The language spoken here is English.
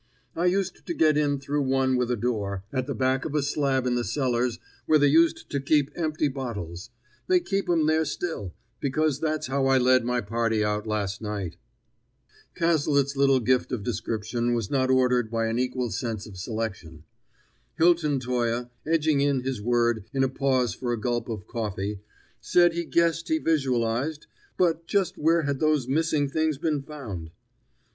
I used to get in through one with a door, at the back of a slab in the cellars where they used to keep empty bottles; they keep 'em there still, because that's how I led my party out last night." Cazalet's little gift of description was not ordered by an equal sense of selection. Hilton Toye, edging in his word in a pause for a gulp of coffee, said he guessed he visualized but just where had those missing things been found?